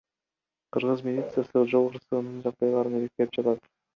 Кыргыз милициясы жол кырсыгынын жагдайларын иликтеп жатат.